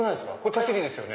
手すりですよね？